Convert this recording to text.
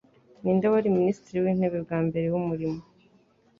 Ninde Wari Minisitiri w’intebe wa mbere w’umurimo